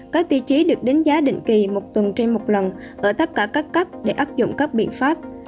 các tiêu chí được đánh giá định kỳ một tuần trên một lần ở tất cả các cấp để áp dụng các biện pháp